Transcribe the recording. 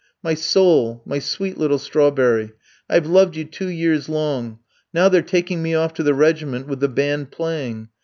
"'My soul, my sweet little strawberry, I've loved you two years long. Now they're taking me off to the regiment with the band playing.